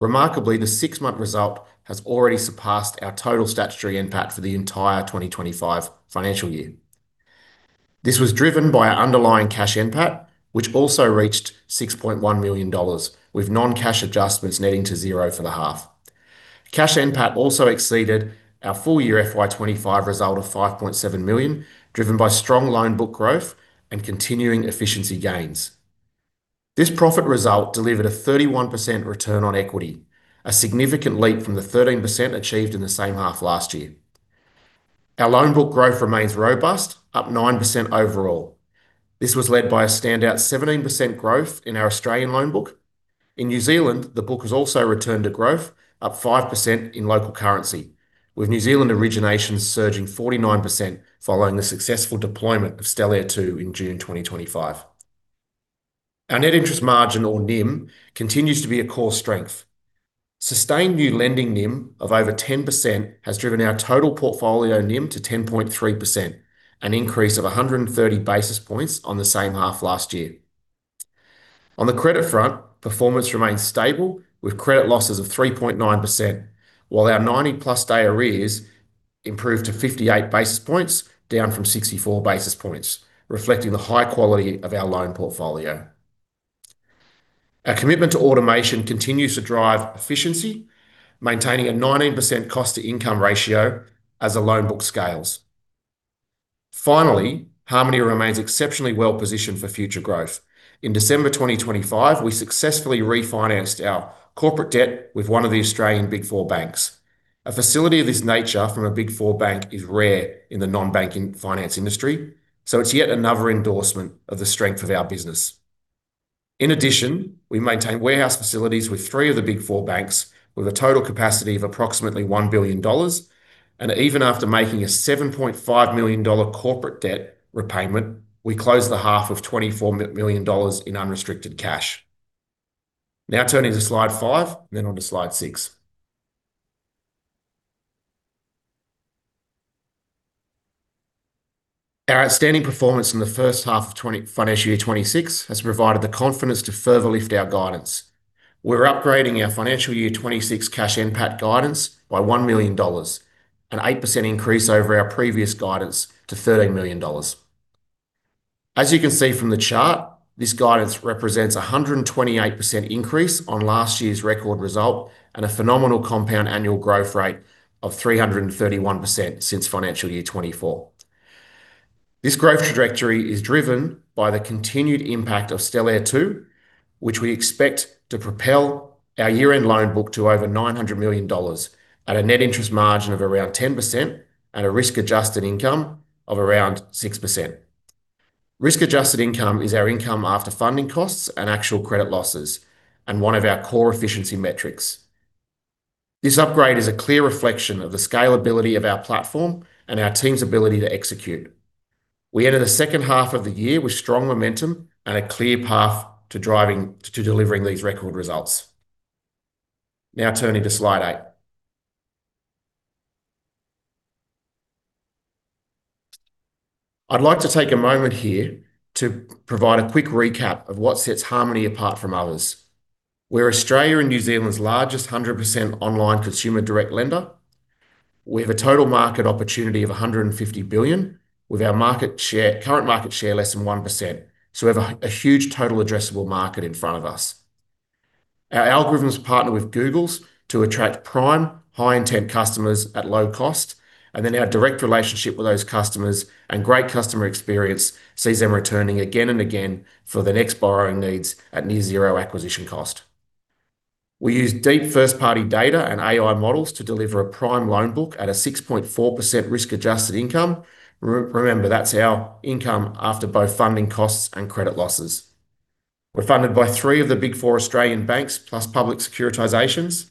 Remarkably, the six-month result has already surpassed our total statutory NPAT for the entire 2025 financial year. This was driven by our underlying cash NPAT, which also reached 6.1 million dollars, with non-cash adjustments netting to zero for the half. Cash NPAT also exceeded our full-year FY 2025 result of 5.7 million, driven by strong loan book growth and continuing efficiency gains. This profit result delivered a 31% return on equity, a significant leap from the 13% achieved in the same half last year. Our loan book growth remains robust, up 9% overall. This was led by a standout 17% growth in our Australian loan book. In New Zealand, the book has also returned to growth, up 5% in local currency, with New Zealand originations surging 49% following the successful deployment of Stellare 2.0 in June 2025. Our net interest margin, or NIM, continues to be a core strength. Sustained new lending NIM of over 10% has driven our total portfolio NIM to 10.3%, an increase of 130 basis points on the same half last year. On the credit front, performance remains stable, with credit losses of 3.9%, while our 90+ day arrears improved to 58 basis points, down from 64 basis points, reflecting the high quality of our loan portfolio. Our commitment to automation continues to drive efficiency, maintaining a 19% cost-to-income ratio as the loan book scales. Finally, Harmoney remains exceptionally well-positioned for future growth. In December 2025, we successfully refinanced our corporate debt with one of the Australian Big Four banks. A facility of this nature from a Big Four bank is rare in the non-banking finance industry, so it's yet another endorsement of the strength of our business. In addition, we maintain warehouse facilities with 3 of the Big Four banks, with a total capacity of approximately 1 billion dollars, and even after making a 7.5 million dollar corporate debt repayment, we closed the half with 24 million dollars in unrestricted cash. Now turning to slide 5, then onto slide 6. Our outstanding performance in the first half of financial year 2026 has provided the confidence to further lift our guidance. We're upgrading our financial year 2026 cash NPAT guidance by 1 million dollars, an 8% increase over our previous guidance to 13 million dollars. As you can see from the chart, this guidance represents a 128% increase on last year's record result, and a phenomenal compound annual growth rate of 331% since financial year 2024. This growth trajectory is driven by the continued impact of Stellare 2.0, which we expect to propel our year-end loan book to over 900 million dollars at a net interest margin of around 10% and a risk-adjusted income of around 6%. Risk-adjusted income is our income after funding costs and actual credit losses, and one of our core efficiency metrics. This upgrade is a clear reflection of the scalability of our platform and our team's ability to execute. We enter the second half of the year with strong momentum and a clear path to delivering these record results. Now turning to slide 8. I'd like to take a moment here to provide a quick recap of what sets Harmoney apart from others. We're Australia and New Zealand's largest 100% online consumer direct lender. We have a total market opportunity of 150 billion, with our market share, current market share less than 1%, so we have a huge total addressable market in front of us. Our algorithms partner with Google's to attract prime, high-intent customers at low cost, and then our direct relationship with those customers and great customer experience sees them returning again and again for their next borrowing needs at near zero acquisition cost. We use deep first-party data and AI models to deliver a prime loan book at a 6.4% risk-adjusted income. Remember, that's our income after both funding costs and credit losses. We're funded by three of the Big Four banks, plus public securitizations.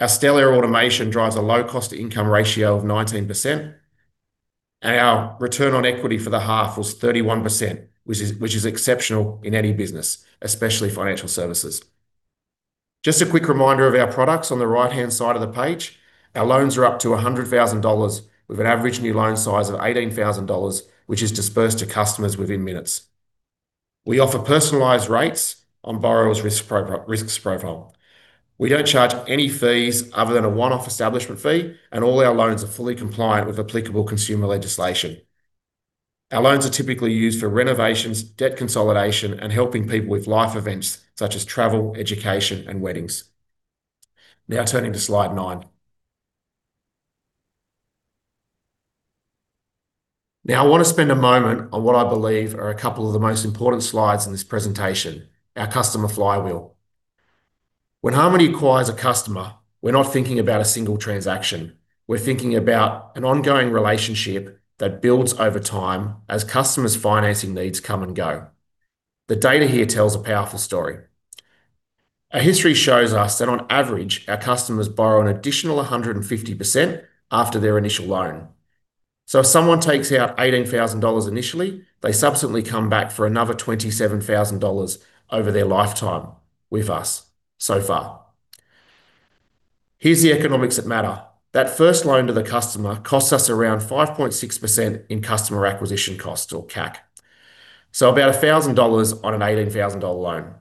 Our Stellare automation drives a low cost-to-income ratio of 19%, and our return on equity for the half was 31%, which is, which is exceptional in any business, especially financial services. Just a quick reminder of our products on the right-hand side of the page. Our loans are up to 100,000 dollars, with an average new loan size of 18,000 dollars, which is disbursed to customers within minutes. We offer personalized rates on borrower's risk pro-- risk profile. We don't charge any fees other than a one-off establishment fee, and all our loans are fully compliant with applicable consumer legislation. Our loans are typically used for renovations, debt consolidation, and helping people with life events such as travel, education, and weddings. Now turning to slide 9. Now, I want to spend a moment on what I believe are a couple of the most important slides in this presentation, our customer flywheel. When Harmoney acquires a customer, we're not thinking about a single transaction, we're thinking about an ongoing relationship that builds over time as customers' financing needs come and go. The data here tells a powerful story. Our history shows us that on average, our customers borrow an additional 150% after their initial loan. So if someone takes out 18,000 dollars initially, they subsequently come back for another 27,000 dollars over their lifetime with us so far. Here's the economics that matter. That first loan to the customer costs us around 5.6% in customer acquisition costs or CAC. So about 1,000 dollars on an 18,000 dollar loan.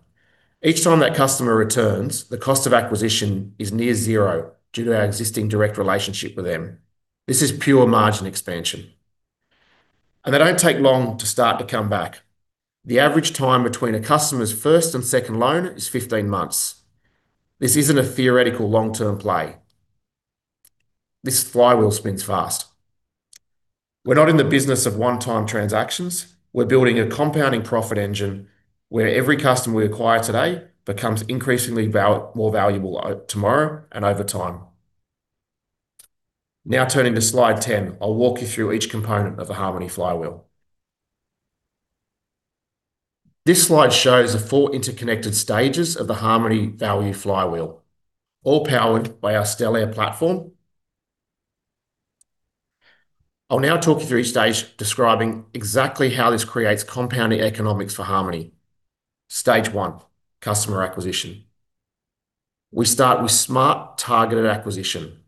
Each time that customer returns, the cost of acquisition is near zero due to our existing direct relationship with them. This is pure margin expansion, and they don't take long to start to come back. The average time between a customer's first and second loan is 15 months. This isn't a theoretical long-term play. This flywheel spins fast. We're not in the business of one-time transactions; we're building a compounding profit engine where every customer we acquire today becomes increasingly more valuable tomorrow and over time. Now, turning to Slide 10, I'll walk you through each component of the Harmoney flywheel. This slide shows the four interconnected stages of the Harmoney value flywheel, all powered by our Stellare platform. I'll now talk you through each stage, describing exactly how this creates compounding economics for Harmoney. Stage one: customer acquisition. We start with smart, targeted acquisition.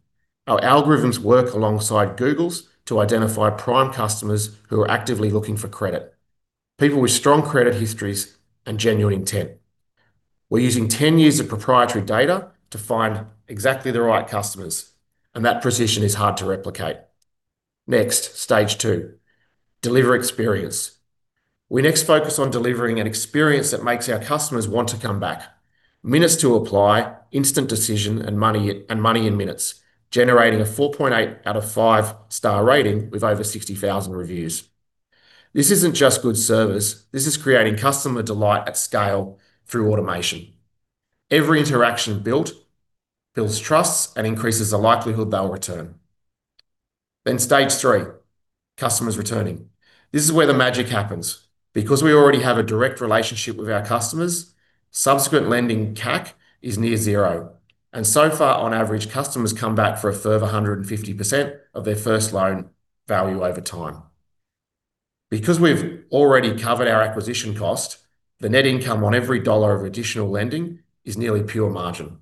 Our algorithms work alongside Google's to identify prime customers who are actively looking for credit, people with strong credit histories and genuine intent. We're using 10 years of proprietary data to find exactly the right customers, and that precision is hard to replicate. Next, stage two: deliver experience. We next focus on delivering an experience that makes our customers want to come back. Minutes to apply, instant decision, and money, and money in minutes, generating a 4.8 out of 5-star rating with over 60,000 reviews. This isn't just good service; this is creating customer delight at scale through automation. Every interaction built, builds trust and increases the likelihood they'll return. Then stage three, customers returning. This is where the magic happens. Because we already have a direct relationship with our customers, subsequent lending CAC is near zero, and so far on average, customers come back for a further 150% of their first loan value over time. Because we've already covered our acquisition cost, the net income on every dollar of additional lending is nearly pure margin.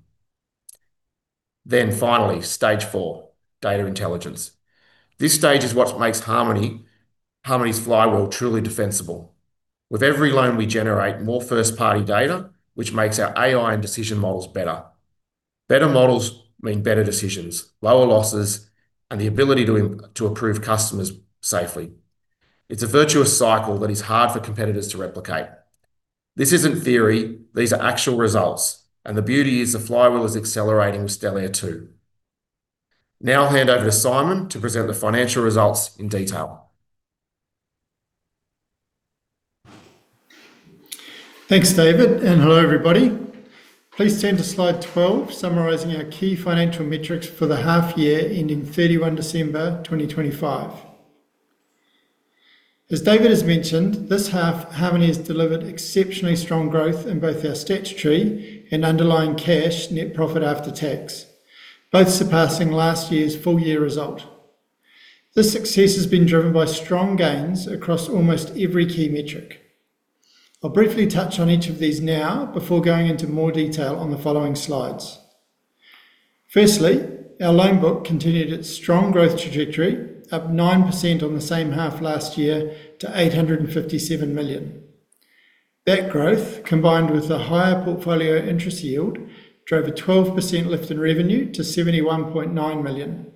Then finally, stage four, data intelligence. This stage is what makes Harmoney, Harmoney's flywheel truly defensible. With every loan, we generate more first-party data, which makes our AI and decision models better. Better models mean better decisions, lower losses, and the ability to approve customers safely. It's a virtuous cycle that is hard for competitors to replicate. This isn't theory; these are actual results, and the beauty is the flywheel is accelerating with Stellare 2.0. Now I'll hand over to Simon to present the financial results in detail. Thanks, David, and hello, everybody. Please turn to slide 12, summarizing our key financial metrics for the half year ending 31 December 2025. As David has mentioned, this half, Harmoney has delivered exceptionally strong growth in both our statutory and underlying cash net profit after tax, both surpassing last year's full-year result. This success has been driven by strong gains across almost every key metric. I'll briefly touch on each of these now before going into more detail on the following slides. Firstly, our loan book continued its strong growth trajectory, up 9% on the same half last year to 857 million. That growth, combined with the higher portfolio interest yield, drove a 12% lift in revenue to 71.9 million.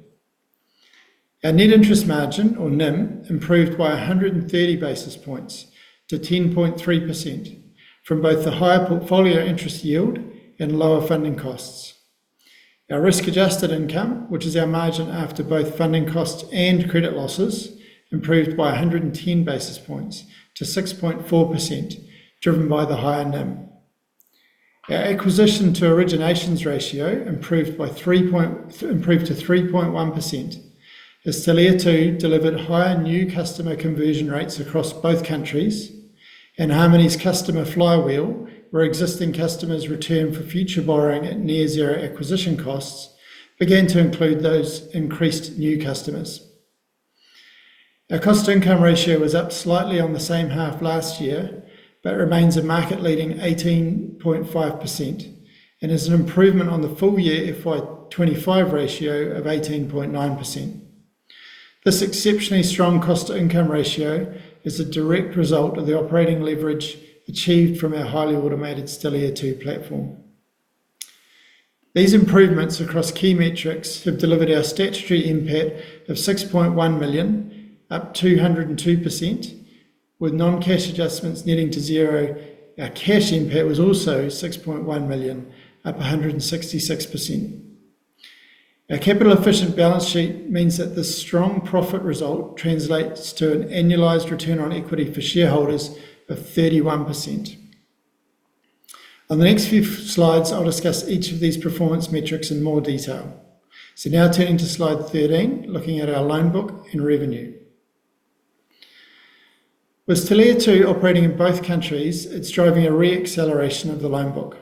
Our net interest margin, or NIM, improved by 130 basis points to 10.3% from both the higher portfolio interest yield and lower funding costs. Our risk-adjusted income, which is our margin after both funding costs and credit losses, improved by 110 basis points to 6.4%, driven by the higher NIM. Our acquisition to originations ratio improved to 3.1%, as Stellare 2.0 delivered higher new customer conversion rates across both countries, and Harmoney's customer flywheel, where existing customers return for future borrowing at near zero acquisition costs, began to include those increased new customers. Our cost-to-income ratio was up slightly on the same half last year, but remains a market-leading 18.5% and is an improvement on the full-year FY 2025 ratio of 18.9%. This exceptionally strong cost-to-income ratio is a direct result of the operating leverage achieved from our highly automated Stellare 2.0 platform. These improvements across key metrics have delivered our statutory NPAT of 6.1 million, up 202%, with non-cash adjustments netting to zero. Our cash NPAT was also 6.1 million, up 166%. Our capital-efficient balance sheet means that the strong profit result translates to an annualized return on equity for shareholders of 31%. On the next few slides, I'll discuss each of these performance metrics in more detail. So now turning to Slide 13, looking at our loan book and revenue. With Stellare 2.0 operating in both countries, it's driving a re-acceleration of the loan book.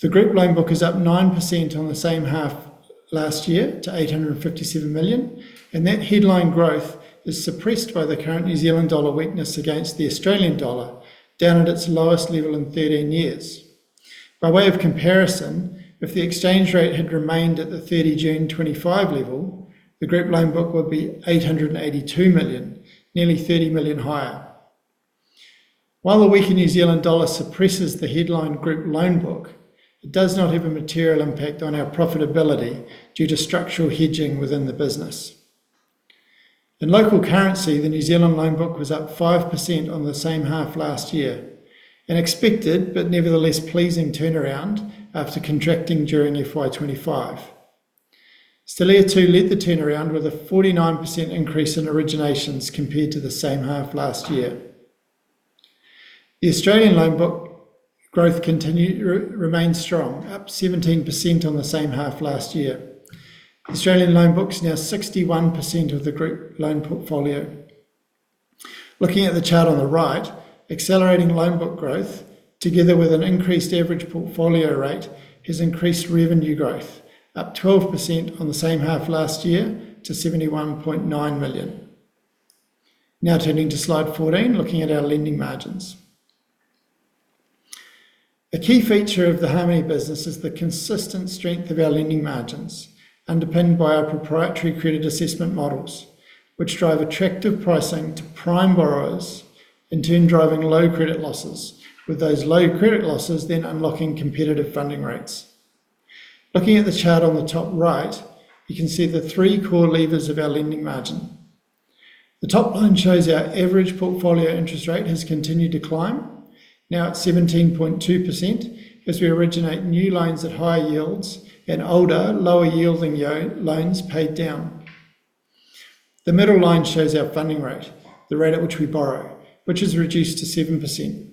The group loan book is up 9% on the same half- Last year to 857 million, and that headline growth is suppressed by the current New Zealand dollar weakness against the Australian dollar, down at its lowest level in 13 years. By way of comparison, if the exchange rate had remained at the 30 June 2025 level, the group loan book would be 882 million, nearly 30 million higher. While the weaker New Zealand dollar suppresses the headline group loan book, it does not have a material impact on our profitability due to structural hedging within the business. In local currency, the New Zealand loan book was up 5% on the same half last year, an expected but nevertheless pleasing turnaround after contracting during FY 2025. Stellare 2.0 led the turnaround with a 49% increase in originations compared to the same half last year. The Australian loan book growth remains strong, up 17% on the same half last year. Australian loan book's now 61% of the group loan portfolio. Looking at the chart on the right, accelerating loan book growth, together with an increased average portfolio rate, has increased revenue growth, up 12% on the same half last year to 71.9 million. Now turning to Slide 14, looking at our lending margins. A key feature of the Harmoney business is the consistent strength of our lending margins, underpinned by our proprietary credit assessment models, which drive attractive pricing to prime borrowers, in turn driving low credit losses, with those low credit losses then unlocking competitive funding rates. Looking at the chart on the top right, you can see the three core levers of our lending margin. The top line shows our average portfolio interest rate has continued to climb, now at 17.2%, as we originate new loans at higher yields and older, lower-yielding loans paid down. The middle line shows our funding rate, the rate at which we borrow, which is reduced to 7%.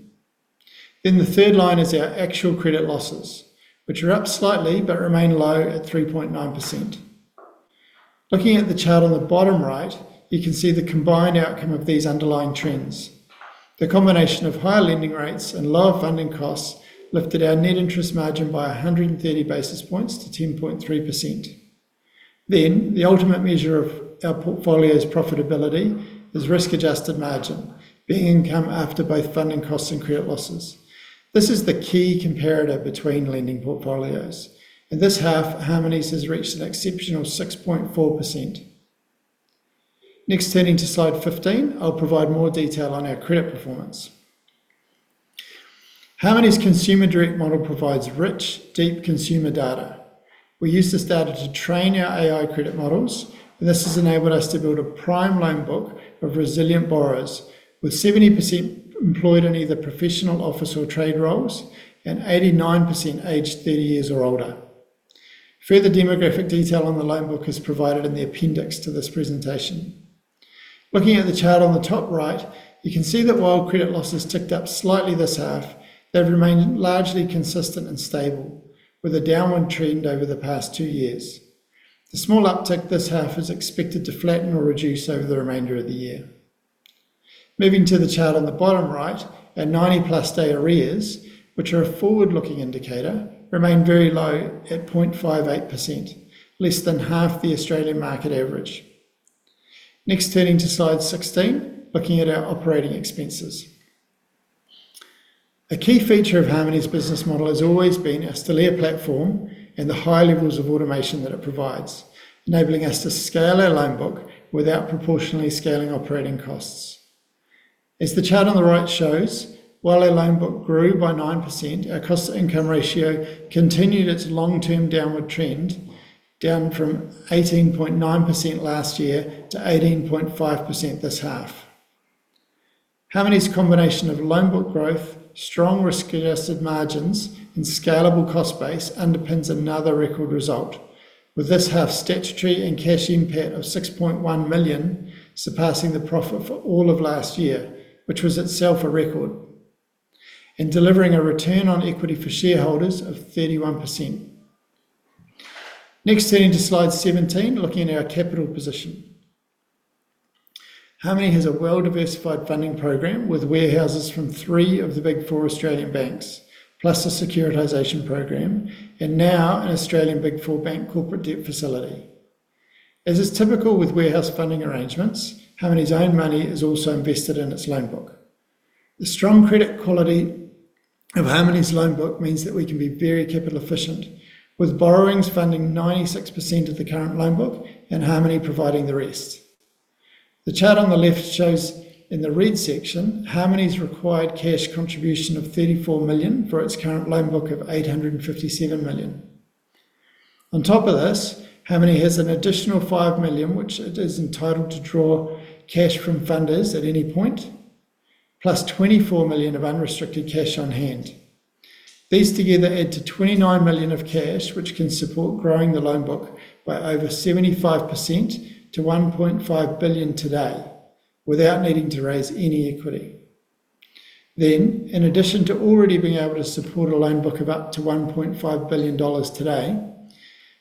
Then the third line is our actual credit losses, which are up slightly but remain low at 3.9%. Looking at the chart on the bottom right, you can see the combined outcome of these underlying trends. The combination of higher lending rates and lower funding costs lifted our net interest margin by 130 basis points to 10.3%. Then, the ultimate measure of our portfolio's profitability is risk-adjusted margin, being income after both funding costs and credit losses. This is the key comparator between lending portfolios. In this half, Harmoney's has reached an exceptional 6.4%. Next, turning to Slide 15, I'll provide more detail on our credit performance. Harmoney's consumer direct model provides rich, deep consumer data. We use this data to train our AI credit models, and this has enabled us to build a prime loan book of resilient borrowers, with 70% employed in either professional, office, or trade roles and 89% aged 30 years or older. Further demographic detail on the loan book is provided in the appendix to this presentation. Looking at the chart on the top right, you can see that while credit losses ticked up slightly this half, they've remained largely consistent and stable, with a downward trend over the past two years. The small uptick this half is expected to flatten or reduce over the remainder of the year. Moving to the chart on the bottom right, our 90+ day arrears, which are a forward-looking indicator, remain very low at 0.58%, less than half the Australian market average. Next, turning to Slide 16, looking at our operating expenses. A key feature of Harmoney's business model has always been our Stellare platform and the high levels of automation that it provides, enabling us to scale our loan book without proportionally scaling operating costs. As the chart on the right shows, while our loan book grew by 9%, our cost-to-income ratio continued its long-term downward trend, down from 18.9% last year to 18.5% this half. Harmoney's combination of loan book growth, strong risk-adjusted margins, and scalable cost base underpins another record result, with this half statutory and cash impact of 6.1 million, surpassing the profit for all of last year, which was itself a record, and delivering a return on equity for shareholders of 31%. Next, turning to Slide 17, looking at our capital position. Harmoney has a well-diversified funding program, with warehouses from three of the Big Four Australian banks, plus a securitization program, and now an Australian Big Four bank corporate debt facility. As is typical with warehouse funding arrangements, Harmoney's own money is also invested in its loan book. The strong credit quality of Harmoney's loan book means that we can be very capital efficient, with borrowings funding 96% of the current loan book and Harmoney providing the rest. The chart on the left shows, in the red section, Harmoney's required cash contribution of 34 million for its current loan book of 857 million. On top of this, Harmoney has an additional 5 million, which it is entitled to draw cash from funders at any point, +24 million of unrestricted cash on hand. These together add to 29 million of cash, which can support growing the loan book by over 75% to 1.5 billion today, without needing to raise any equity. Then, in addition to already being able to support a loan book of up to 1.5 billion dollars today,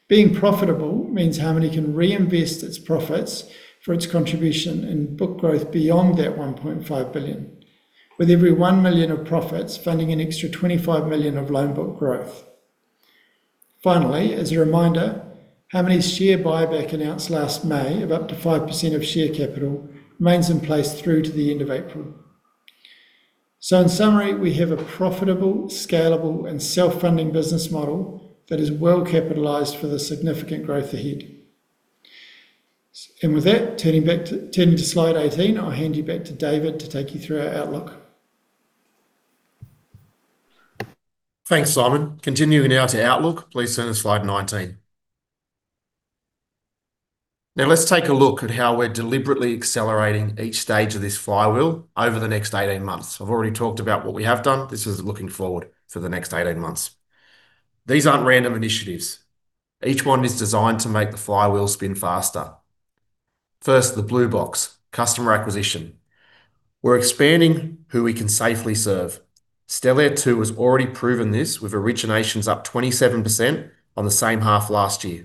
being profitable means Harmoney can reinvest its profits for its contribution and book growth beyond that 1.5 billion, with every 1 million of profits funding an extra 25 million of loan book growth. Finally, as a reminder, Harmoney's share buyback announced last May of up to 5% of share capital remains in place through to the end of April. So in summary, we have a profitable, scalable, and self-funding business model that is well capitalized for the significant growth ahead. And with that, turning to slide 18, I'll hand you back to David to take you through our outlook. Thanks, Simon. Continuing now to outlook. Please turn to slide 19. Now, let's take a look at how we're deliberately accelerating each stage of this flywheel over the next 18 months. I've already talked about what we have done. This is looking forward for the next 18 months. These aren't random initiatives. Each one is designed to make the flywheel spin faster. First, the blue box, customer acquisition. We're expanding who we can safely serve. Stellare 2.0 has already proven this, with originations up 27% on the same half last year.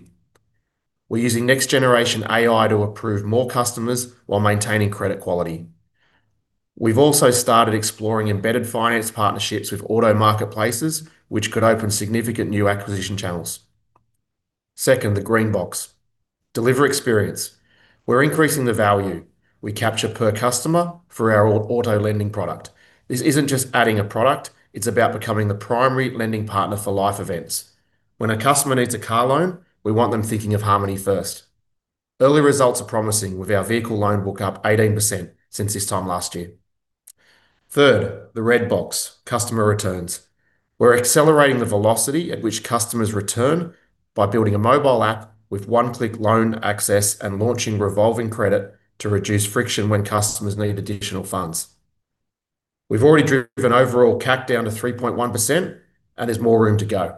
We're using next generation AI to approve more customers while maintaining credit quality. We've also started exploring embedded finance partnerships with auto marketplaces, which could open significant new acquisition channels. Second, the green box, deliver experience. We're increasing the value we capture per customer for our auto lending product. This isn't just adding a product, it's about becoming the primary lending partner for life events. When a customer needs a car loan, we want them thinking of Harmoney first. Early results are promising, with our vehicle loan book up 18% since this time last year. Third, the red box, customer returns. We're accelerating the velocity at which customers return by building a mobile app with one-click loan access and launching revolving credit to reduce friction when customers need additional funds. We've already driven overall CAC down to 3.1%, and there's more room to go.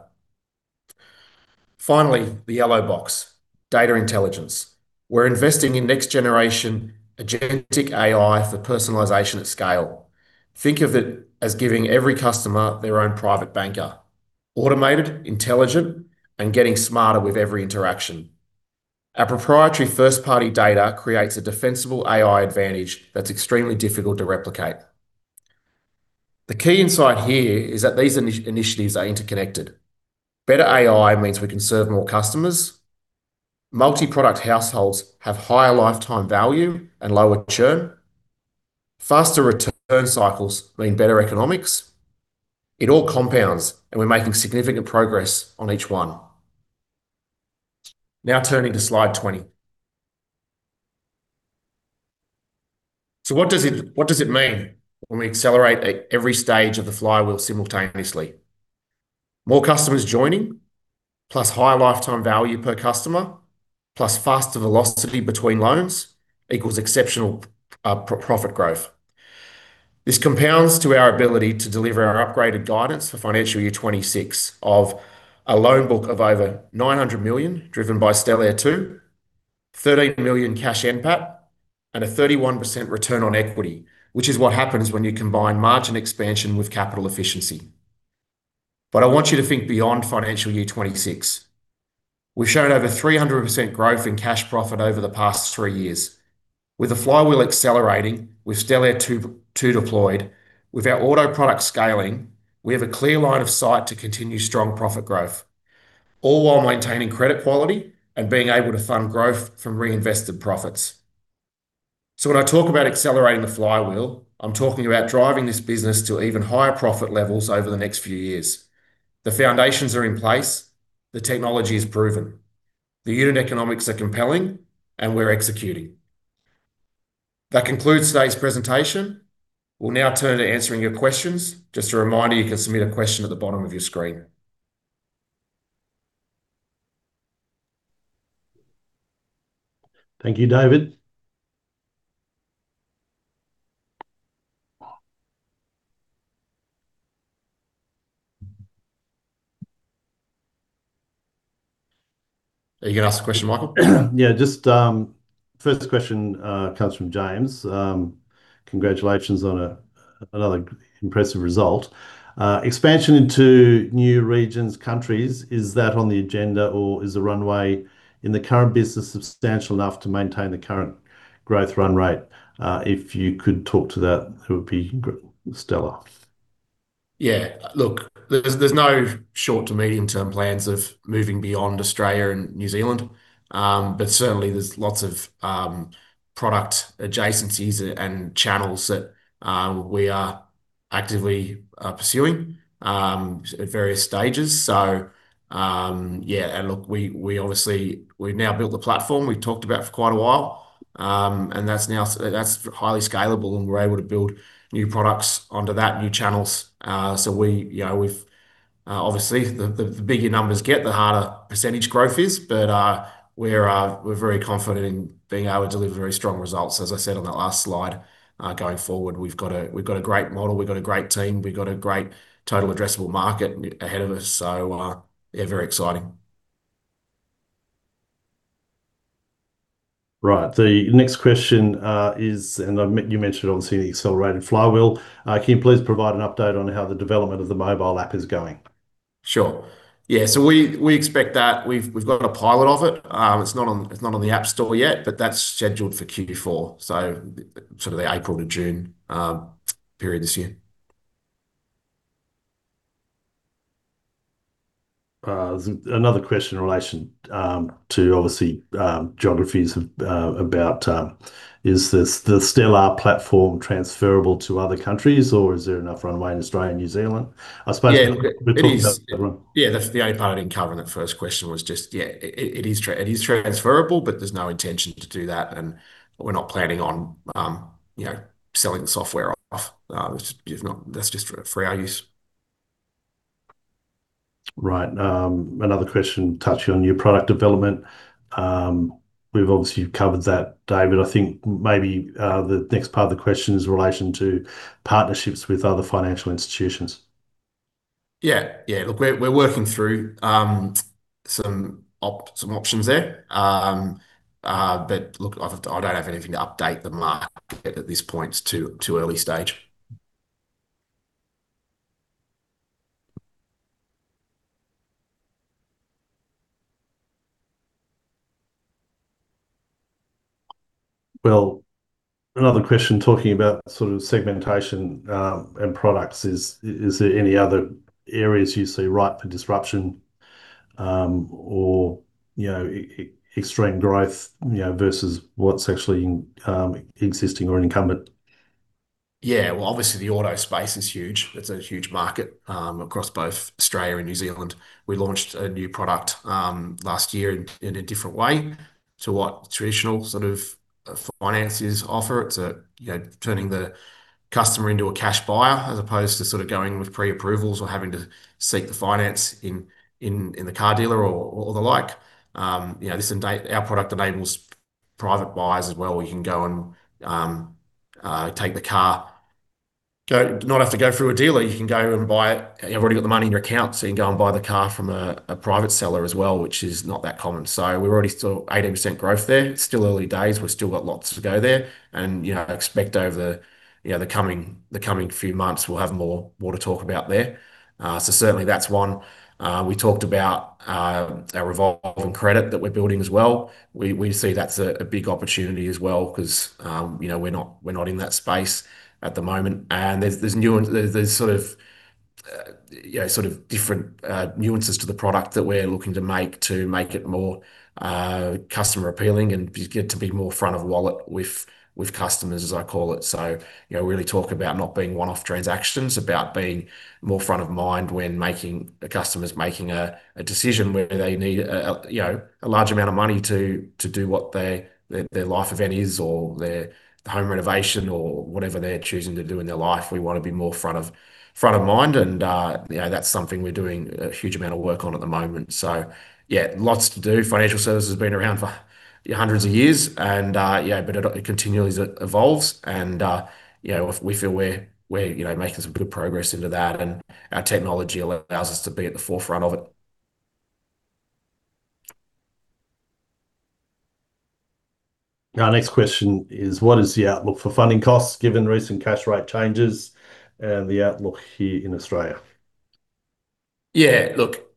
Finally, the yellow box, data intelligence. We're investing in next generation agentic AI for personalization at scale. Think of it as giving every customer their own private banker: automated, intelligent, and getting smarter with every interaction. Our proprietary first-party data creates a defensible AI advantage that's extremely difficult to replicate. The key insight here is that these initiatives are interconnected. Better AI means we can serve more customers. Multi-product households have higher lifetime value and lower churn. Faster return cycles mean better economics. It all compounds, and we're making significant progress on each one. Now turning to slide 20. So what does it mean when we accelerate at every stage of the flywheel simultaneously? More customers joining, plus higher lifetime value per customer, plus faster velocity between loans, equals exceptional profit growth. This compounds to our ability to deliver our upgraded guidance for financial year 2026 of a loan book of over 900 million, driven by Stellare 2.0, 13 million cash NPAT, and a 31% return on equity, which is what happens when you combine margin expansion with capital efficiency. But I want you to think beyond financial year 2026. We've shown over 300% growth in cash profit over the past three years. With the flywheel accelerating, with Stellare 2.0 deployed, with our auto product scaling, we have a clear line of sight to continue strong profit growth, all while maintaining credit quality and being able to fund growth from reinvested profits. So when I talk about accelerating the flywheel, I'm talking about driving this business to even higher profit levels over the next few years. The foundations are in place, the technology is proven, the unit economics are compelling, and we're executing. That concludes today's presentation. We'll now turn to answering your questions. Just a reminder, you can submit a question at the bottom of your screen. Thank you, David. Are you gonna ask a question, Michael? Yeah, just, first question comes from James. Congratulations on another impressive result. Expansion into new regions, countries, is that on the agenda, or is the runway in the current business substantial enough to maintain the current growth run rate? If you could talk to that, it would be stellar. Yeah, look, there's no short- to medium-term plans of moving beyond Australia and New Zealand. But certainly there's lots of product adjacencies and channels that we are actively pursuing at various stages. So, yeah, and look, we obviously, we've now built the platform we've talked about for quite a while, and that's now That's highly scalable, and we're able to build new products onto that, new channels. So we, you know, we've obviously, the bigger numbers get, the harder percentage growth is, but, we're very confident in being able to deliver very strong results, as I said on that last slide. Going forward, we've got a great model, we've got a great team, we've got a great total addressable market ahead of us. So, yeah, very exciting. Right. The next question is, and you mentioned, obviously, the accelerated flywheel. Can you please provide an update on how the development of the mobile app is going? Sure. Yeah, so we expect that. We've got a pilot of it. It's not on the App Store yet, but that's scheduled for Q4, so sort of the April to June period this year. There's another question in relation to obviously geographies about is this the Stellare platform transferable to other countries, or is there enough runway in Australia and New Zealand? I suppose- Yeah, it is. We're talking about the- Yeah, that's the only part I didn't cover in that first question was just, yeah, it is true, it is transferable, but there's no intention to do that, and we're not planning on, you know, selling the software off. It's just not. That's just for our use. Right. Another question touching on your product development. We've obviously covered that, David. I think maybe, the next part of the question is in relation to partnerships with other financial institutions. Yeah, yeah. Look, we're working through some options there. But look, I don't have anything to update the market at this point. It's too early stage. Well, another question talking about sort of segmentation and products. Is there any other areas you see ripe for disruption, or, you know, extreme growth, you know, versus what's actually existing or incumbent? Yeah. Well, obviously, the auto space is huge. It's a huge market across both Australia and New Zealand. We launched a new product last year in a different way to what traditional sort of finances offer. It's a, you know, turning the customer into a cash buyer, as opposed to sort of going with pre-approvals or having to seek the finance in the car dealer or the like. You know, our product enables private buyers as well, where you can go and take the car. Not have to go through a dealer. You can go and buy it. You've already got the money in your account, so you can go and buy the car from a private seller as well, which is not that common. So we're already still 80% growth there. It's still early days. We've still got lots to go there and, you know, expect over, you know, the coming few months, we'll have more to talk about there. So certainly, that's one. We talked about our revolving credit that we're building as well. We see that's a big opportunity as well 'cause, you know, we're not in that space at the moment, and there's new and there's sort of, you know, sort of different nuances to the product that we're looking to make it more customer appealing and get to be more front-of-wallet with customers, as I call it. So, you know, we really talk about not being one-off transactions, about being more front of mind when making, the customer's making a, you know, a large amount of money to do what their life event is, or their home renovation, or whatever they're choosing to do in their life. We wanna be more front of mind and, you know, that's something we're doing a huge amount of work on at the moment. So yeah, lots to do. Financial services has been around for hundreds of years and, yeah, but it continually evolves and, you know, we feel we're making some good progress into that, and our technology allows us to be at the forefront of it. Our next question is, what is the outlook for funding costs, given recent cash rate changes and the outlook here in Australia? Yeah, look,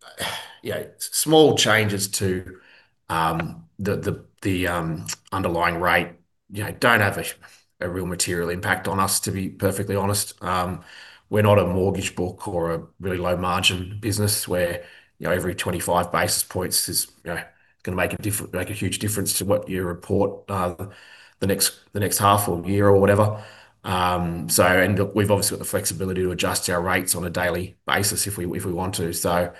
yeah, small changes to the underlying rate, you know, don't have a real material impact on us, to be perfectly honest. We're not a mortgage book or a really low-margin business, where, you know, every 25 basis points is gonna make a huge difference to what you report the next half or year, or whatever. So and look, we've obviously got the flexibility to adjust our rates on a daily basis if we want to. So,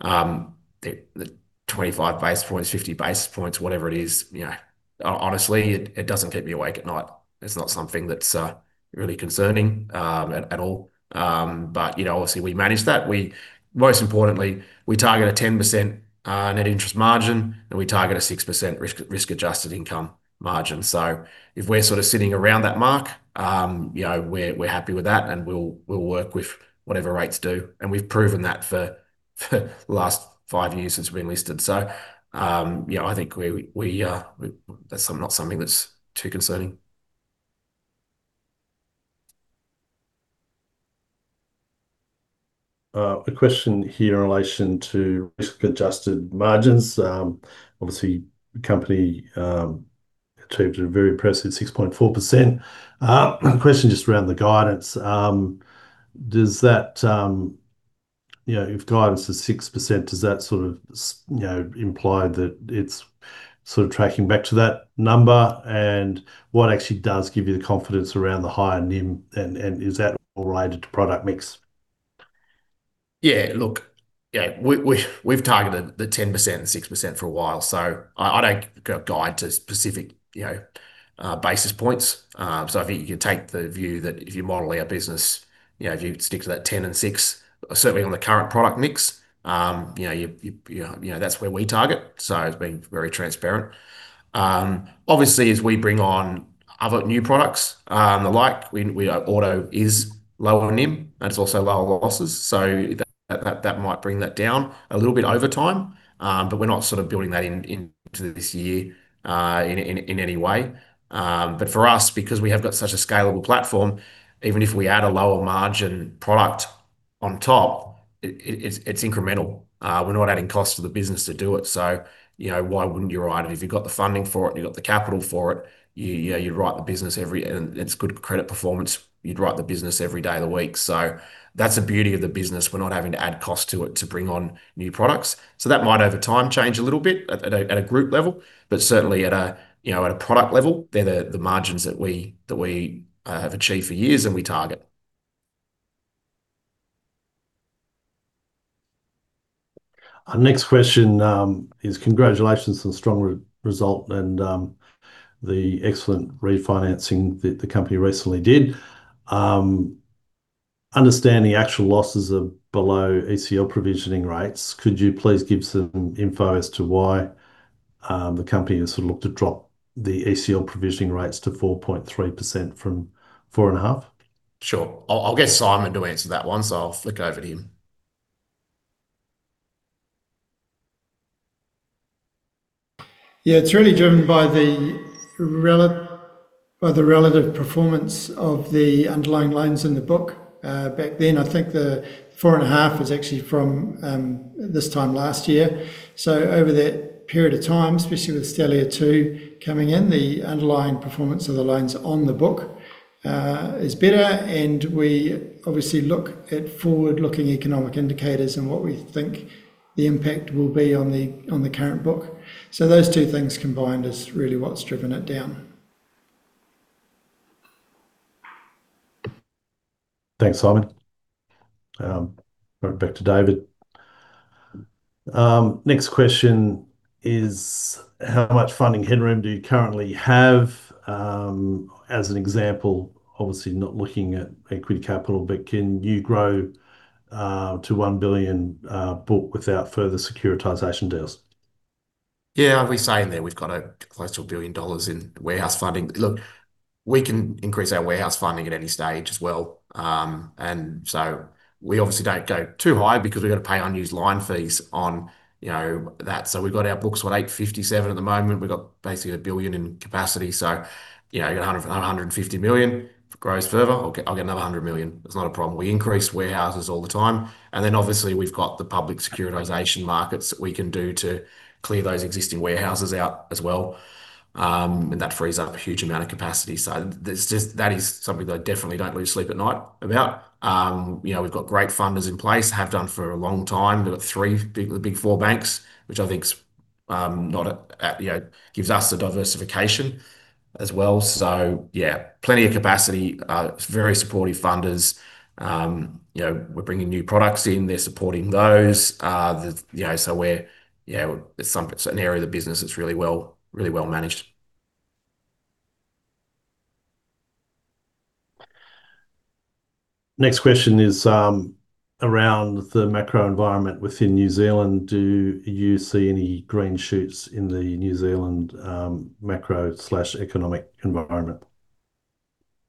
the 25 basis points, 50 basis points, whatever it is, you know, honestly, it doesn't keep me awake at night. It's not something that's really concerning at all. But, you know, obviously, we manage that. We, most importantly, target a 10% net interest margin, and we target a 6% risk-adjusted income margin. So if we're sort of sitting around that mark, you know, we're happy with that, and we'll work with whatever rates do, and we've proven that for the last five years since we've been listed. So, you know, I think we, that's not something that's too concerning. A question here in relation to risk-adjusted margins. Obviously, the company achieved a very impressive 6.4%. The question just around the guidance, does that, you know, if guidance is 6%, does that sort of you know, imply that it's sort of tracking back to that number? And what actually does give you the confidence around the higher NIM, and is that all related to product mix? Yeah, look, yeah, we've targeted the 10% and 6% for a while, so I don't go guide to specific, you know, basis points. So I think you can take the view that if you model our business, you know, if you stick to that 10 and 6, certainly on the current product mix, you know, that's where we target, so it's been very transparent. Obviously, as we bring on other new products, and the like, we Auto is lower NIM, and it's also lower losses, so that might bring that down a little bit over time. But we're not sort of building that in, into this year, in any way. But for us, because we have got such a scalable platform, even if we add a lower margin product on top, it's incremental. We're not adding cost to the business to do it, so, you know, why wouldn't you write it? If you've got the funding for it, and you've got the capital for it, you know, you write the business every day, and it's good credit performance, you'd write the business every day of the week. So that's the beauty of the business. We're not having to add cost to it to bring on new products. So that might, over time, change a little bit at a group level, but certainly at a, you know, at a product level, they're the margins that we, that we have achieved for years and we target. Our next question is congratulations on the strong result and the excellent refinancing that the company recently did. Understanding actual losses are below ACL provisioning rates, could you please give some info as to why the company has sort of looked to drop the ACL provisioning rates to 4.3% from 4.5%? Sure. I'll, I'll get Simon to answer that one, so I'll flick it over to him. Yeah, it's really driven by the relative performance of the underlying loans in the book. Back then, I think the 4.5 was actually from this time last year. So over that period of time, especially with Stellare 2.0 coming in, the underlying performance of the loans on the book is better, and we obviously look at forward-looking economic indicators and what we think the impact will be on the current book. So those two things combined is really what's driven it down. Thanks, Simon. Back to David. Next question is: How much funding headroom do you currently have? As an example, obviously not looking at equity capital, but can you grow to 1 billion book without further securitization deals? Yeah, we're saying that we've got close to 1 billion dollars in warehouse funding. Look, we can increase our warehouse funding at any stage as well. And so we obviously don't go too high because we've got to pay unused line fees on, you know, that. So we've got our books, what, 857 million at the moment. We've got basically 1 billion in capacity, so, you know, you got 100-150 million. If it grows further, I'll get, I'll get another 100 million. It's not a problem. We increase warehouses all the time, and then obviously, we've got the public securitization markets that we can do to clear those existing warehouses out as well. And that frees up a huge amount of capacity. So there's just, that is something that I definitely don't lose sleep at night about. You know, we've got great funders in place, have done for a long time. We've got three big, the Big Four banks, which I think is, you know, gives us the diversification as well. So yeah, plenty of capacity, very supportive funders. You know, we're bringing new products in, we're supporting those. You know, so we're, you know, it's some, it's an area of the business that's really well, really well managed. Next question is around the macro environment within New Zealand. Do you see any green shoots in the New Zealand macroeconomic environment?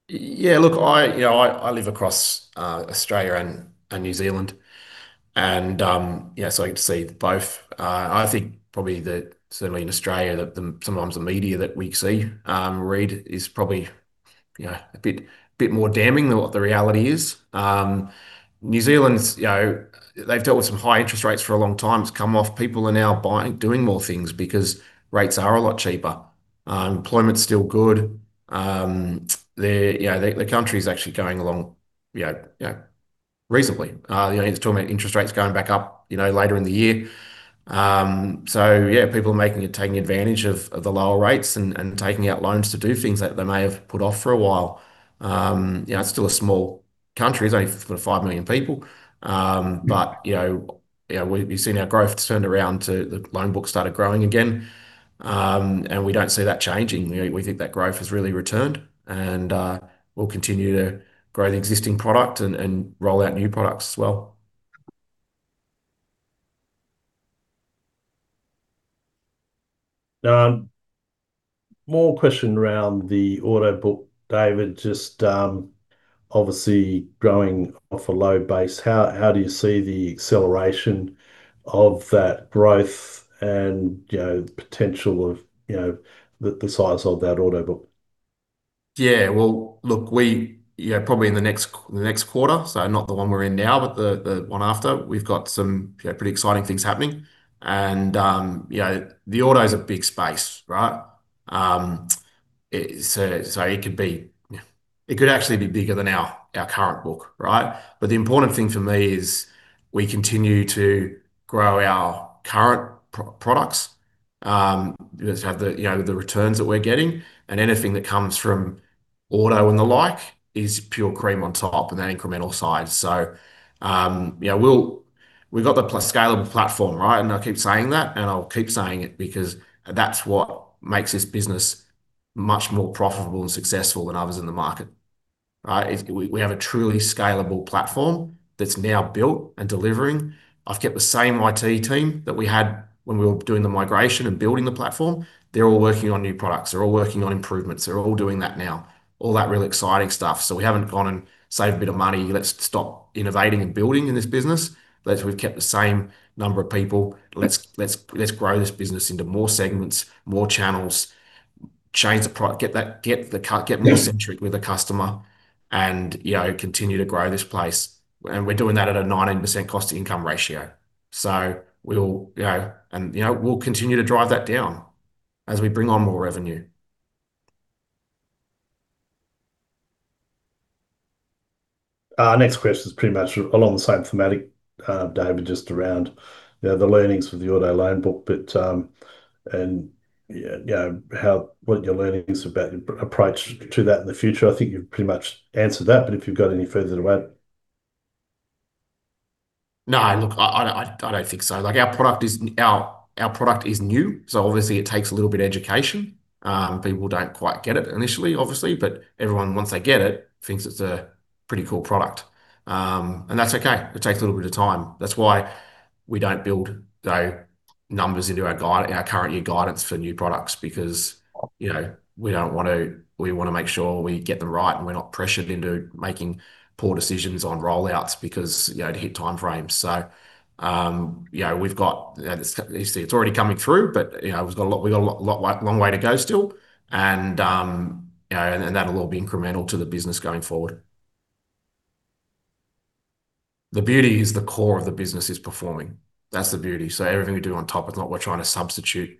Yeah, look, I, you know, I live across Australia and New Zealand, and yeah, so I get to see both. I think probably that certainly in Australia, the sometimes the media that we see read is probably, you know, a bit more damning than what the reality is. New Zealand's, you know, they've dealt with some high interest rates for a long time. It's come off. People are now buying, doing more things because rates are a lot cheaper. Employment's still good. The, you know, the country's actually going along, you know, reasonably. You know, he's talking about interest rates going back up, you know, later in the year. So yeah, people are taking advantage of the lower rates and taking out loans to do things that they may have put off for a while. You know, it's still a small country, it's only for 5 million people. But you know, we've seen our growth turned around, the loan book started growing again. And we don't see that changing. We think that growth has really returned, and we'll continue to grow the existing product and roll out new products as well. More question around the auto book, David. Just, obviously growing off a low base, how do you see the acceleration of that growth and, you know, the potential of, you know, the size of that auto book? Yeah, well, look, we, you know, probably in the next quarter, so not the one we're in now, but the one after, we've got some, you know, pretty exciting things happening. And, you know, the auto is a big space, right? So it could be, it could actually be bigger than our current book, right? But the important thing for me is we continue to grow our current products. Just have the, you know, the returns that we're getting, and anything that comes from auto and the like is pure cream on top, and they're incremental size. So, you know, we've got the scalable platform, right? And I keep saying that, and I'll keep saying it because that's what makes this business much more profitable and successful than others in the market, right? We have a truly scalable platform that's now built and delivering. I've kept the same IT team that we had when we were doing the migration and building the platform. They're all working on new products. They're all working on improvements. They're all doing that now. All that really exciting stuff. So we haven't gone and saved a bit of money, let's stop innovating and building in this business. But we've kept the same number of people. Let's grow this business into more segments, more channels, change the product, get more customer-centric with the customer and, you know, continue to grow this place. And we're doing that at a 19% Cost-to-Income Ratio. So we'll, you know, and, you know, we'll continue to drive that down as we bring on more revenue. Next question is pretty much along the same theme, David, just around, you know, the learnings from the auto loan book. But you know, how, what are your learnings about your approach to that in the future? I think you've pretty much answered that, but if you've got any further to add. No, look, I don't think so. Like, our product is new, so obviously it takes a little bit of education. People don't quite get it initially, obviously, but everyone, once they get it, thinks it's a pretty cool product. And that's okay. It takes a little bit of time. That's why we don't build, though, numbers into our guide, our current year guidance for new products because, you know, we don't want to, we want to make sure we get them right, and we're not pressured into making poor decisions on rollouts because, you know, to hit time frames. So, you know, we've got, it's, you see, it's already coming through, but, you know, we've got a lot, like, long way to go still. And, you know, that'll all be incremental to the business going forward. The beauty is the core of the business is performing. That's the beauty. So everything we do on top is not we're trying to substitute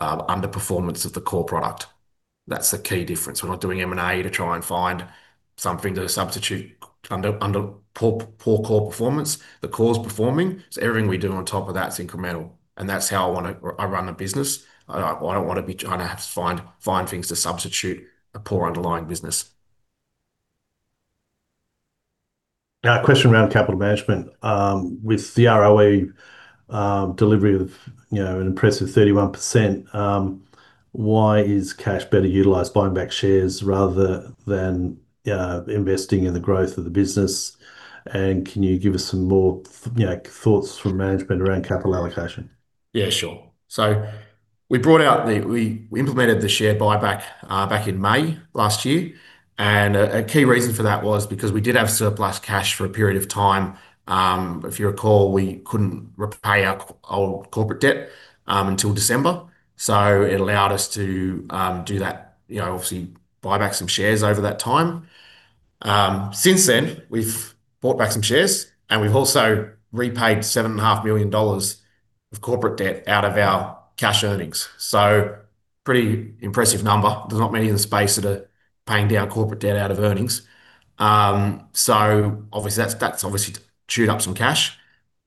underperformance of the core product. That's the key difference. We're not doing M&A to try and find something to substitute under poor core performance. The core is performing, so everything we do on top of that is incremental, and that's how I run a business. I don't want to be trying to have to find things to substitute a poor underlying business. Now, a question around capital management. With the ROE, delivery of, you know, an impressive 31%, why is cash better utilized buying back shares rather than, investing in the growth of the business? And can you give us some more, you know, thoughts from management around capital allocation? Yeah, sure. So we implemented the share buyback back in May last year, and a key reason for that was because we did have surplus cash for a period of time. If you recall, we couldn't repay our corporate debt until December, so it allowed us to do that, you know, obviously buy back some shares over that time. Since then, we've bought back some shares, and we've also repaid 7.5 million dollars of corporate debt out of our cash earnings. So pretty impressive number. There's not many in the space that are paying down corporate debt out of earnings. So obviously, that's obviously chewed up some cash.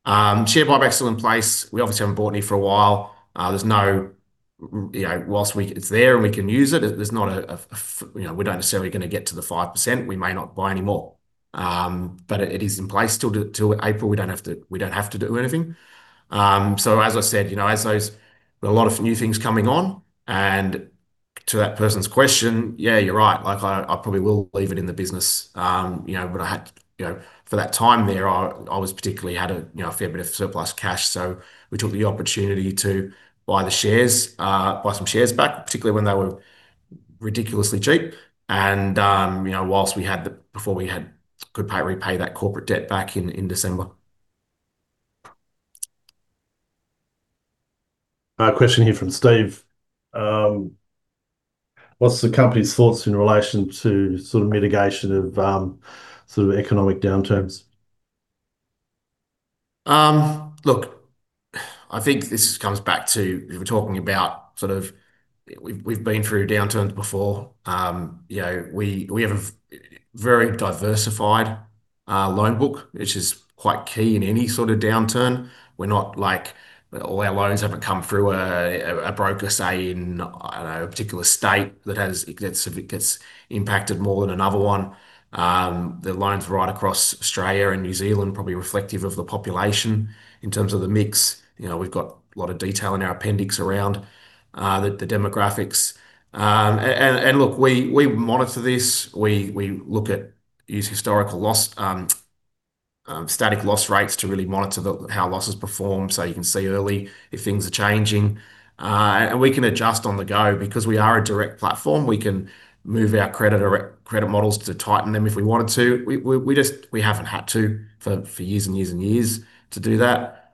Share buyback's still in place. We obviously haven't bought any for a while. There's no, you know, whilst we It's there, and we can use it. There's not a, you know, we're not necessarily gonna get to the 5%. We may not buy any more. But it is in place till April. We don't have to, we don't have to do anything. So as I said, you know, as those, a lot of new things coming on, and to that person's question, yeah, you're right. Like, I probably will leave it in the business. You know, but I had, you know, for that time there, I was particularly had a fair bit of surplus cash, so we took the opportunity to buy the shares, buy some shares back, particularly when they were ridiculously cheap. You know, whilst we had before we had could pay, repay that corporate debt back in December. Question here from Steve. What's the company's thoughts in relation to sort of mitigation of sort of economic downturns? Look, I think this comes back to. We're talking about sort of we've been through downturns before. You know, we have a very diversified loan book, which is quite key in any sort of downturn. We're not like all our loans haven't come through a broker, say, in I don't know a particular state that has gets impacted more than another one. The loans right across Australia and New Zealand, probably reflective of the population in terms of the mix. You know, we've got a lot of detail in our appendix around the demographics. And look, we monitor this. We look at use historical loss static loss rates to really monitor how losses perform. So you can see early if things are changing, and we can adjust on the go. Because we are a direct platform, we can move our credit or credit models to tighten them if we wanted to. We just haven't had to for years and years and years to do that.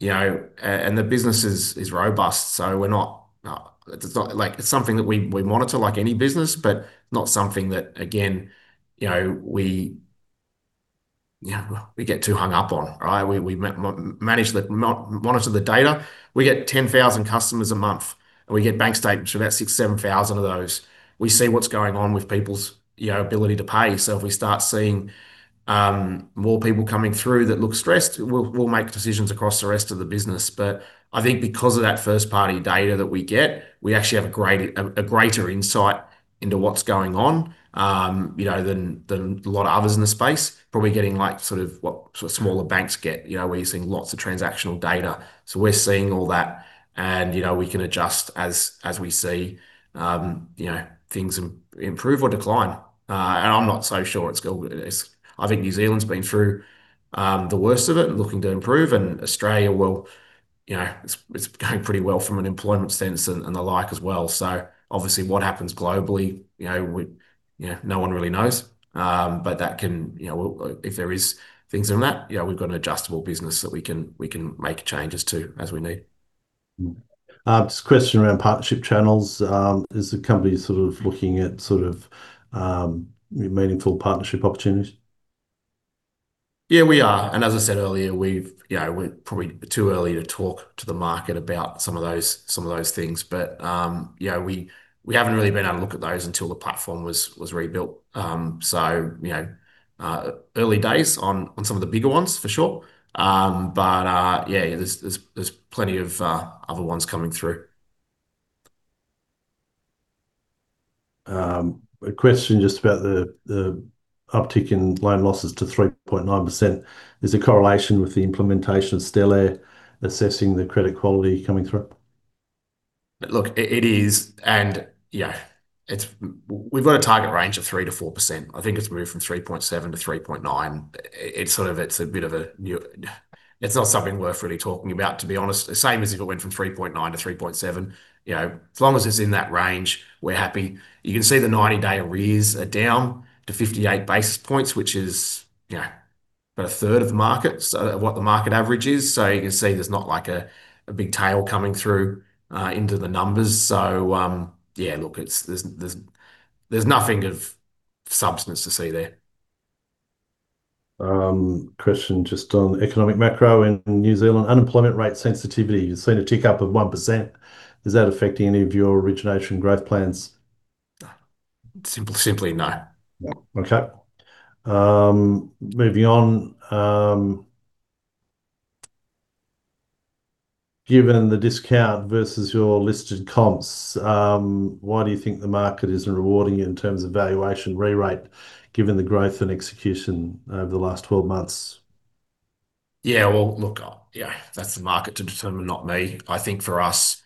You know, and the business is robust, so we're not, it's not like, it's something that we monitor like any business, but not something that, again, you know, we get too hung up on, right? We manage, monitor the data. We get 10,000 customers a month, and we get bank statements from about 6,000-7,000 of those. We see what's going on with people's, you know, ability to pay. So if we start seeing more people coming through that look stressed, we'll make decisions across the rest of the business. But I think because of that first-party data that we get, we actually have a greater insight into what's going on, you know, than a lot of others in the space. Probably getting like sort of what smaller banks get, you know, we're using lots of transactional data. So we're seeing all that, and, you know, we can adjust as we see, you know, things improve or decline. And I'm not so sure it's I think New Zealand's been through the worst of it and looking to improve, and Australia, well, you know, it's going pretty well from an employment sense and the like as well. So obviously, what happens globally, you know, we, you know, no one really knows. But that can, you know, if there is things in that, you know, we've got an adjustable business that we can, we can make changes to as we need.. Just a question around partnership channels. Is the company sort of looking at sort of meaningful partnership opportunities? Yeah, we are. And as I said earlier, we've, you know, we're probably too early to talk to the market about some of those, some of those things. But, you know, we, we haven't really been able to look at those until the platform was, was rebuilt. So, you know, early days on, on some of the bigger ones, for sure. But, yeah, there's, there's, there's plenty of, other ones coming through. A question just about the uptick in loan losses to 3.9%. Is there a correlation with the implementation of Stellare assessing the credit quality coming through? Look, it is, and yeah, it's We've got a target range of 3%-4%. I think it's moved from 3.7 to 3.9. It's sort of a bit of a new- It's not something worth really talking about, to be honest. The same as if it went from 3.9 to 3.7. You know, as long as it's in that range, we're happy. You can see the 90-day arrears are down to 58 basis points, which is, yeah, about a third of the market, so of what the market average is. So you can see there's not like a big tail coming through into the numbers. So, yeah, look, it's, there's nothing of substance to see there. Question just on economic macro in New Zealand. Unemployment rate sensitivity, you've seen a tick up of 1%. Is that affecting any of your origination growth plans? No. Simply, no. Okay. Moving on, given the discount versus your listed comps, why do you think the market isn't rewarding you in terms of valuation re-rate, given the growth and execution over the last 12 months? Yeah, well, look, yeah, that's the market to determine, not me. I think for us,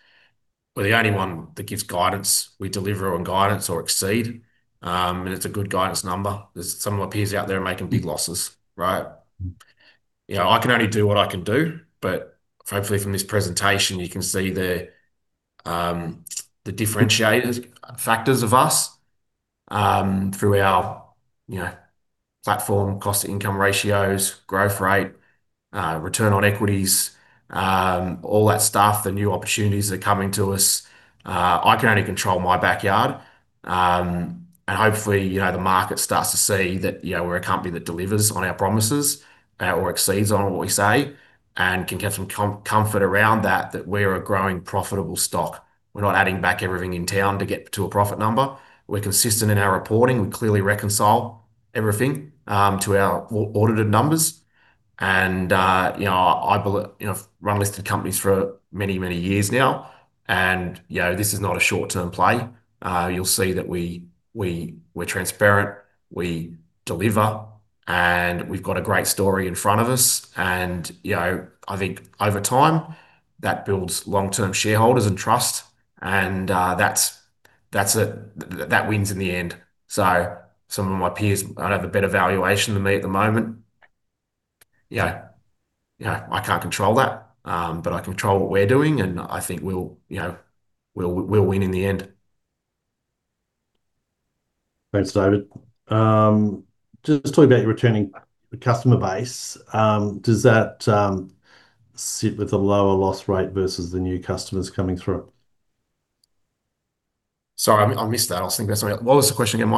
we're the only one that gives guidance. We deliver on guidance or exceed, and it's a good guidance number. There's some of my peers out there are making big losses, right? You know, I can only do what I can do, but hopefully from this presentation, you can see the, the differentiator factors of us, through our, you know, platform, cost to income ratios, growth rate, return on equities, all that stuff, the new opportunities that are coming to us. I can only control my backyard. And hopefully, you know, the market starts to see that, you know, we're a company that delivers on our promises, or exceeds on what we say, and can get some comfort around that, that we're a growing profitable stock. We're not adding back everything in town to get to a profit number. We're consistent in our reporting. We clearly reconcile everything to our audited numbers. You know, I've run listed companies for many, many years now, and you know, this is not a short-term play. You'll see that we're transparent, we deliver, and we've got a great story in front of us and you know, I think over time, that builds long-term shareholders and trust, and that's that wins in the end. So some of my peers might have a better valuation than me at the moment. Yeah, yeah, I can't control that, but I control what we're doing, and I think we'll you know, we'll win in the end. Thanks, David. Just talk about your returning customer base. Does that sit with a lower loss rate versus the new customers coming through? Sorry, I, I missed that. I was thinking about something. What was the question again,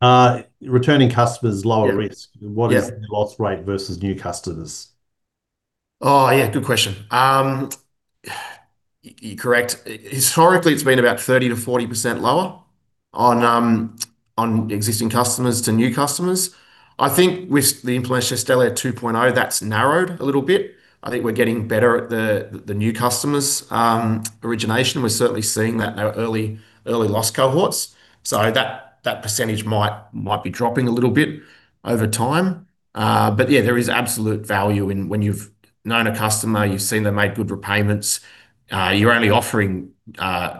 Mike? Returning customers, lower risk- Yeah. What is the loss rate versus new customers? Oh, yeah, good question. You're correct. Historically, it's been about 30%-40% lower on existing customers to new customers. I think with the implementation of Stellare 2.0, that's narrowed a little bit. I think we're getting better at the new customers' origination. We're certainly seeing that in our early loss cohorts. So that percentage might be dropping a little bit over time. But yeah, there is absolute value in when you've known a customer, you've seen them make good repayments, you're only offering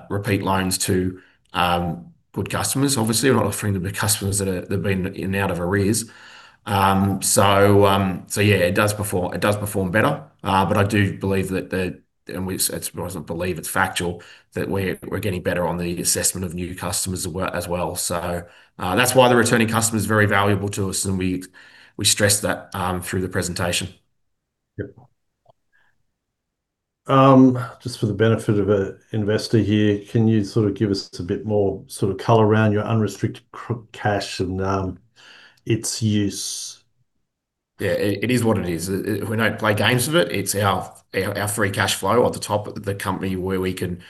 repeat loans to good customers. Obviously, we're not offering them to customers that have been in and out of arrears. So yeah, it does perform better. But I do believe that the We, it's well, I don't believe it's factual that we're getting better on the assessment of new customers as well. So, that's why the returning customer is very valuable to us, and we stress that through the presentation. Yep. Just for the benefit of an investor here, can you sort of give us a bit more sort of color around your unrestricted cash and its use? Yeah, it is what it is. We don't play games with it. It's our free cash flow at the top of the company, where we can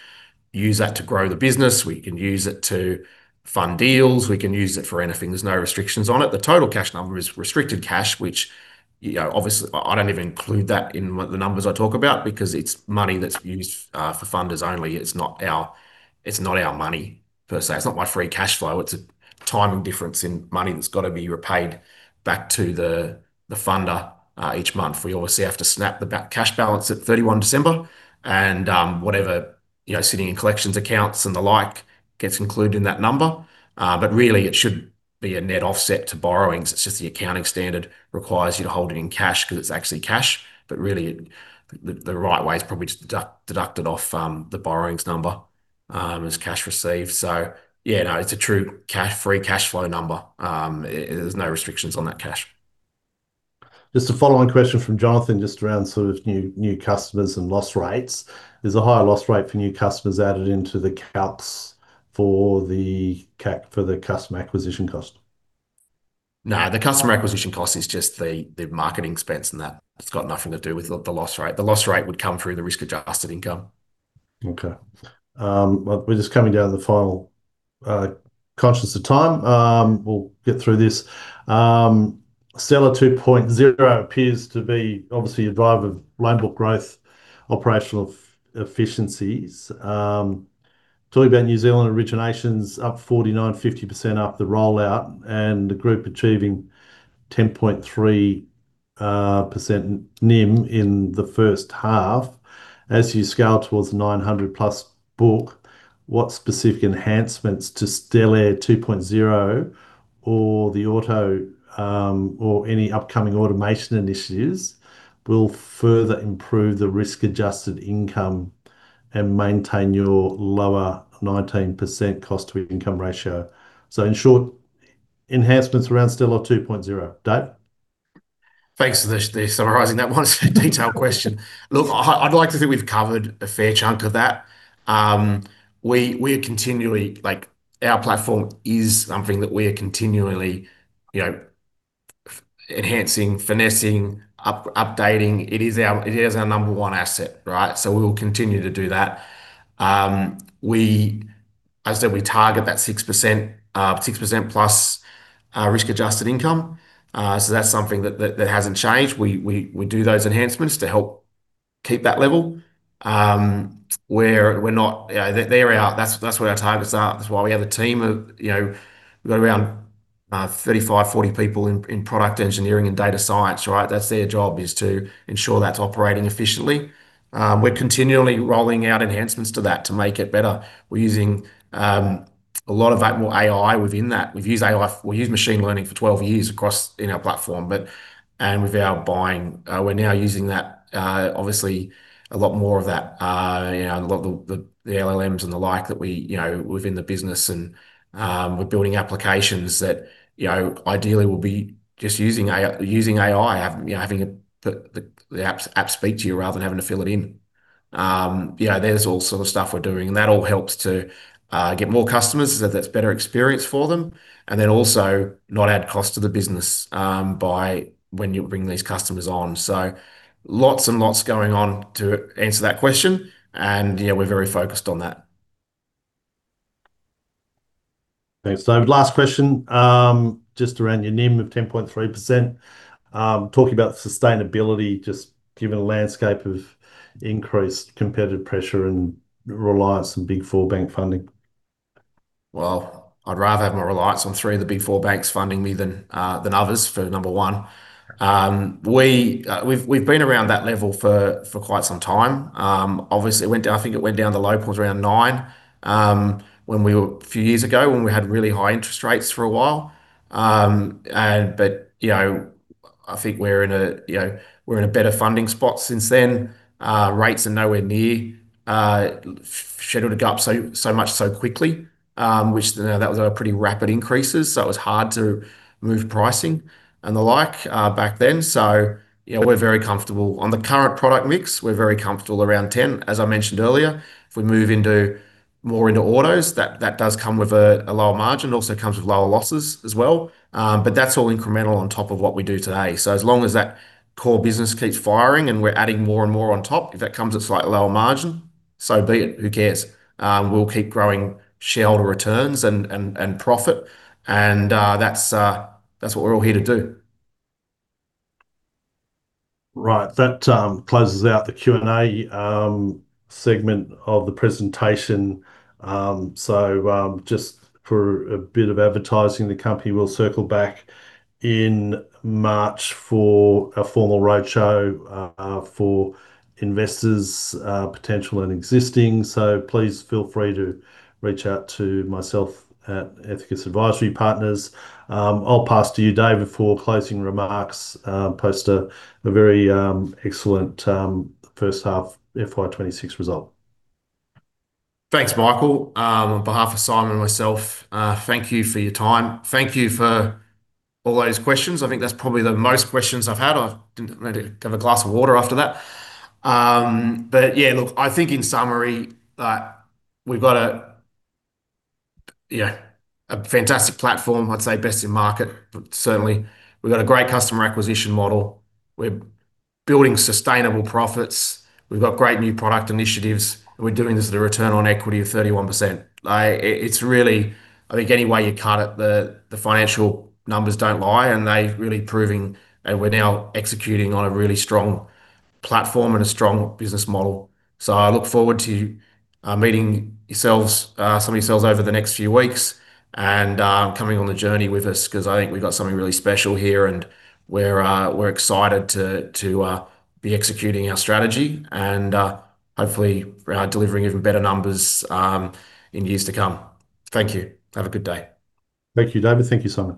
use that to grow the business, we can use it to fund deals, we can use it for anything. There's no restrictions on it. The total cash number is restricted cash, which, you know, obviously, I don't even include that in the numbers I talk about because it's money that's used for funders only. It's not our money per se. It's not my free cash flow. It's a timing difference in money that's got to be repaid back to the funder each month. We obviously have to snap the cash balance at 31 December, and whatever, you know, sitting in collections accounts and the like, gets included in that number. But really, it should be a net offset to borrowings. It's just the accounting standard requires you to hold it in cash because it's actually cash, but really, the right way is probably to deduct it off the borrowings number as cash received. So yeah, no, it's a true cash, free cash flow number. There's no restrictions on that cash. Just a follow-on question from Jonathan, just around sort of new, new customers and loss rates. Is the higher loss rate for new customers added into the caps for the cap, for the customer acquisition cost? No, the customer acquisition cost is just the marketing expense, and that has got nothing to do with the loss rate. The loss rate would come through the risk-adjusted income. Okay. Well, we're just coming down to the final, conscious of time, we'll get through this. Stellare 2.0 appears to be obviously a driver of loan book growth, operational efficiencies. Talking about New Zealand originations up 49%-50% after the rollout, and the group achieving 10.3% NIM in the first half. As you scale towards 900+ book, what specific enhancements to Stellare 2.0 or the auto, or any upcoming automation initiatives will further improve the risk-adjusted income and maintain your low 19% cost-to-income ratio? So in short, enhancements around Stellare 2.0. Dave? Thanks for the summarizing. That was a detailed question. Look, I'd like to think we've covered a fair chunk of that. We are continually, like, our platform is something that we are continually, you know, enhancing, finessing, updating. It is our, it is our number one asset, right? So we will continue to do that. As said, we target that 6%, 6%+, risk-adjusted income. So that's something that hasn't changed. We do those enhancements to help keep that level. We're not Yeah, they are, that's where our targets are. That's why we have a team of, you know, we've got around 35, 40 people in product engineering and data science, right? That's their job, is to ensure that's operating efficiently. We're continually rolling out enhancements to that to make it better. We're using a lot of that more AI within that. We've used AI, we've used machine learning for 12 years across in our platform, but and with our buying, we're now using that, obviously, a lot more of that, you know, a lot of the LLMs and the like, that we, you know, within the business and, we're building applications that, you know, ideally will be just using AI, using AI. Having, you know, having the app speak to you rather than having to fill it in. You know, there's all sort of stuff we're doing, and that all helps to get more customers, so that's better experience for them, and then also not add cost to the business by when you bring these customers on. So, lots and lots going on to answer that question, and, you know, we're very focused on that. Thanks, Dave. Last question, just around your NIM of 10.3%. Talking about sustainability, just given the landscape of increased competitive pressure and reliance on Big Four bank funding. Well, I'd rather have more reliance on three of the Big Four banks funding me than than others, for number one. We've been around that level for quite some time. Obviously, it went down, I think it went down the low, it was around 9, when we were a few years ago, when we had really high interest rates for a while. But you know, I think we're in a, you know, we're in a better funding spot since then. Rates are nowhere near scheduled to go up so much, so quickly, which you know, that was a pretty rapid increases, so it was hard to move pricing and the like back then. So you know, we're very comfortable. On the current product mix, we're very comfortable around 10. As I mentioned earlier, if we move into more into autos, that does come with a lower margin, also comes with lower losses as well. But that's all incremental on top of what we do today. So as long as that core business keeps firing and we're adding more and more on top, if that comes at a slightly lower margin, so be it. Who cares? We'll keep growing shareholder returns and profit, and that's what we're all here to do. Right. That closes out the Q&A segment of the presentation. So just for a bit of advertising, the company will circle back in March for a formal roadshow for investors, potential and existing. So please feel free to reach out to myself at Ethicus Advisory Partners. I'll pass to you, Dave, before closing remarks post a very excellent first half FY 2026 result. Thanks, Michael. On behalf of Simon and myself, thank you for your time. Thank you for all those questions. I think that's probably the most questions I've had. I need to have a glass of water after that. But yeah, look, I think in summary, we've got a, you know, a fantastic platform, I'd say best in market. But certainly, we've got a great customer acquisition model. We're building sustainable profits. We've got great new product initiatives, and we're doing this at a return on equity of 31%. It's really, I think any way you cut it, the financial numbers don't lie, and they're really proving that we're now executing on a really strong platform and a strong business model. So I look forward to meeting yourselves, some of yourselves over the next few weeks and coming on the journey with us, 'cause I think we've got something really special here and we're excited to be executing our strategy and hopefully delivering even better numbers in years to come. Thank you. Have a good day. Thank you, David. Thank you so much.